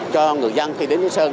cho người dân khi đến lý sơn